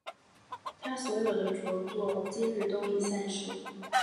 他所有的着作今日都已散失。